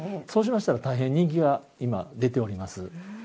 そうしましたら大変人気が今出ております。